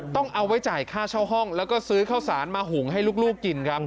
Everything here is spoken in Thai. ต้องเอาไว้จ่ายค่าเช่าห้องแล้วก็ซื้อข้าวสารมาหุงให้ลูกกินครับ